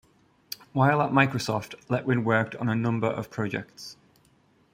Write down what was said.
While at Microsoft, Letwin worked on a number of projects.